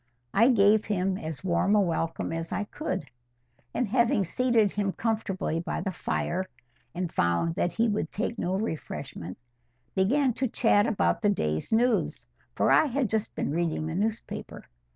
I gave him as warm a welcome as I could, and having seated him comfortably by the fire, and found that he would take no refreshment, began to chat about the day's news, for I had just been reading the newspaper.